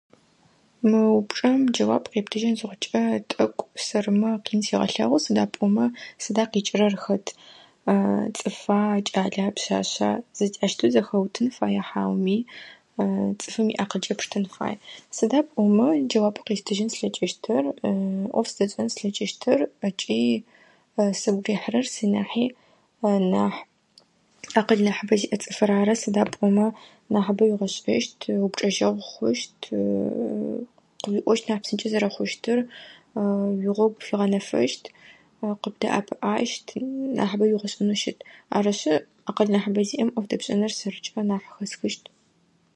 Мы упчӏэм джэуап къептыжьын зыхъукӏэ тӏэкӏу сэрымэ къин сегъэлъэгъу. Сыда пӏомэ, сыда къикӏырэр хэт? Цӏыфа, кӏала, пшъашъа? Зы-джаущтэу зэхэутын фая? Хьауми цӏыфым и акъылкӏэ пштэн фая? Сыда пӏомэ джэуап къестыжьын слъэкӏыщтыр ӏоф зыдэсшӏэн слъэкӏыщтыр, ыкӏи сыгу рихьырэр, си нахьи нахь, акъыл нахьыбэ зиӏэр цӏыфыр ары. Сыда пӏомэ нахьыбэ уигъэшӏэщт, упчӏэжьэгъу хъущт, къыуиӏощт нахь псынкӏэ зэрэхъущтыр, уигъогу пфигъэнэфэщт, къыбдэӏэпыӏащт, нахьыбэ угъусэнэу щыт. Арышъы, акъыл нахьыбэ зиӏэм ӏоф дэпшӏэнэр сэркӏэ нахь хэсхыщт.